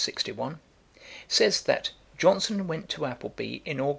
61) says that 'Johnson went to Appleby in Aug.